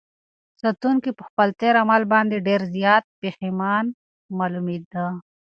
ساتونکي په خپل تېر عمل باندې ډېر زیات پښېمانه معلومېده.